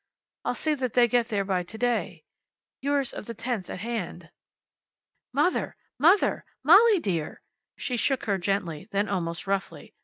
I'll see that they get there to day... yours of the tenth at hand..." "Mother! Mother! Molly dear!" She shook her gently, then almost roughly.